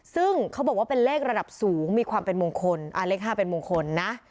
ซึ่งเขาบอกว่าเป็นเลขระดับสูงมีความเป็นมงคลเลข๕เป็นมงคลนะ